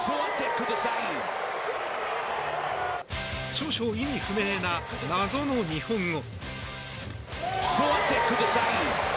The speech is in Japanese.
少々意味不明な謎の日本語。